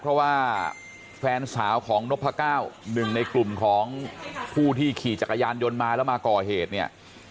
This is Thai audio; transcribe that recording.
เพราะว่าแฟนสาวของนพก้าวหนึ่งในกลุ่มของผู้ที่ขี่จักรยานยนต์มาแล้วมาก่อเหตุเนี่ย